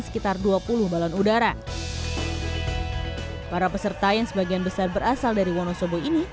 sekitar dua puluh balon udara para peserta yang sebagian besar berasal dari wonosobo ini